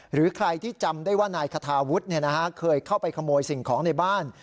หรือใครที่จำได้ว่านายคาทาวุฒิเคยเข้าไปขโมยสิ่งของในบ้าน